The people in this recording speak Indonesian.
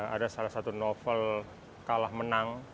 ada salah satu novel kalah menang